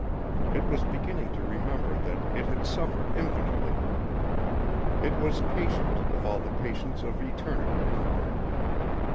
It was beginning to remember that it had suffered infinitely. It was patient, with all the patience of eternity before it.